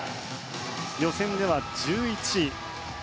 予選では１１位。